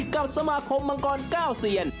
กับสมาคมมังกร๙เซียน